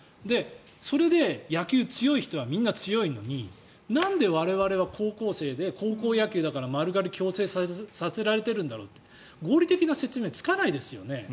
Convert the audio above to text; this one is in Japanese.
それで野球が強い人はみんな強いのになんで我々は高校生で高校野球だから丸刈り強制させられてるんだろうって合理的な説明つかないですよね。